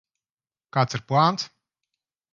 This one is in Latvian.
Kāds ir plāns?